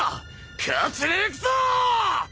勝ちにいくぞ！！